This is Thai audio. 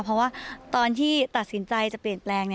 เพราะว่าตอนที่ตัดสินใจจะเปลี่ยนแปลง